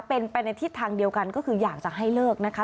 เป็นไปในทิศทางเดียวกันก็คืออยากจะให้เลิกนะคะ